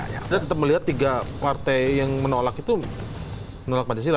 kita tetap melihat tiga partai yang menolak itu menolak pancasila